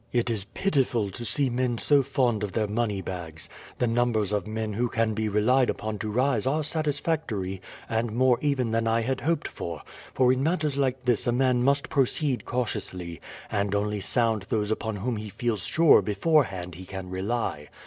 It is pitiful to see men so fond of their moneybags. The numbers of men who can be relied upon to rise are satisfactory, and more even than I had hoped for; for in matters like this a man must proceed cautiously, and only sound those upon whom he feels sure beforehand he can rely.